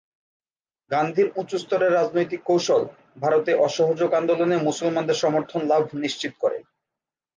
‘গান্ধীর উঁচুস্তরের রাজনৈতিক কৌশল’ ভারতে অসহযোগ আন্দোলনে মুসলমানদের সমর্থন লাভ নিশ্চিত করে।